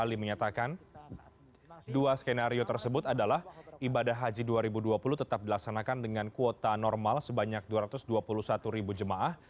ibadah haji dilaksanakan dengan kuota normal sebanyak dua ratus dua puluh satu ribu jemaah